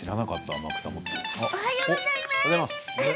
おはようございます。